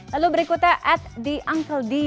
lalu berikutnya at the unkle d